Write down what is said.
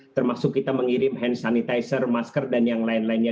termasuk kita mengirim hand sanitizer masker dan yang lain lainnya